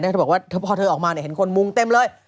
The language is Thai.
เธอบอกว่าพอเธอออกมาเห็นคนมุงเต็มเลย